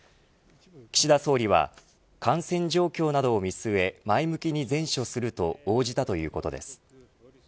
岸田総理は感染状況などを見据え前向きに善処すると応じたということです。